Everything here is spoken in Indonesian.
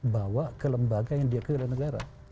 bawa ke lembaga yang diakui oleh negara